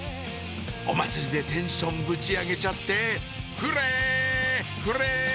お祭りでテンションぶち上げちゃってフレフレ！